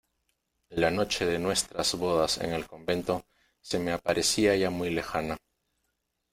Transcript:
la noche de nuestras bodas en el convento se me aparecía ya muy lejana,